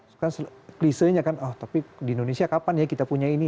ketika klisenya kan oh tapi di indonesia kapan ya kita punya ini